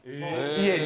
家に。